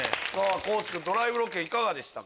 ドライブロケいかがでしたか？